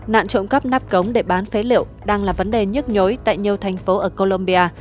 nạn trộm cắp nắp cống để bán phế liệu đang là vấn đề nhức nhối tại nhiều thành phố ở colombia